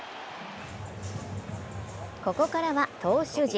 ここからは投手陣。